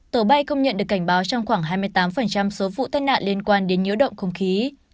tổ bay công nhận được cảnh báo trong khoảng hai mươi tám số vụ tai nạn liên quan đến nhiễu động không khí